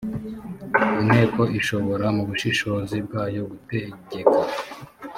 inteko ishobora mu bushishozi bwayo gutegeka